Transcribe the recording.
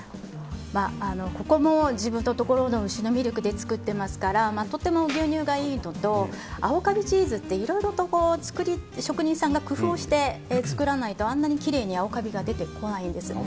ここも自分のところの牛のミルクで作ってますからとても牛乳がいいのと青カビチーズっていろいろと職人さんが工夫をして作らないとあんなにきれいに青カビが出てこないんです。